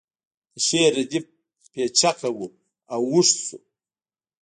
د شعر ردیف پیچکه و او اوږد شو